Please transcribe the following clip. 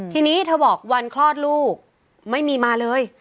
ทีนี้เธอบอกวันคลอดลูกไม่มีมาเลย